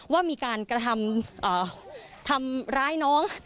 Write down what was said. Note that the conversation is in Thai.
ว่ามีการกระทำร้ายน้อง